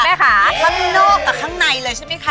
จากจากนอกกับข้างในเลยใช่ไหมคะ